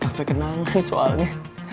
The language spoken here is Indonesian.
cafe kenangan soalnya